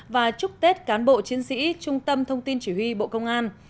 và chúc tết cán bộ chiến sĩ trung tâm thông tin chỉ huy bộ công an